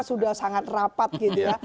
sudah sangat rapat gitu ya